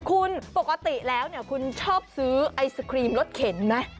คุณปกติแล้วคุณชอบซื้อไอศครีมรถเข็นไหม